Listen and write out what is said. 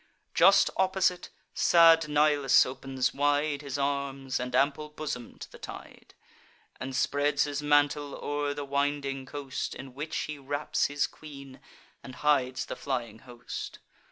Just opposite, sad Nilus opens wide His arms and ample bosom to the tide, And spreads his mantle o'er the winding coast, In which he wraps his queen, and hides the flying host.